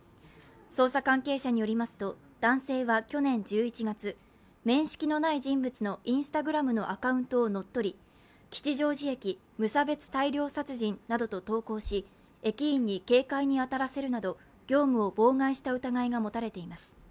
捜査関係者によりますと、男性は去年１１月、面識のない人物のＩｎｓｔａｇｒａｍのアカウントを乗っ取り、吉祥寺駅、無差別大量殺人などと投稿し駅員に警戒に当たらせるなど業務を妨害した疑いが持たれています。